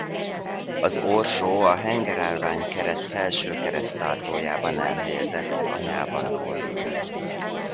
Az orsó a hengerállvány-keret felső kereszttartójában elhelyezett anyában fordul el.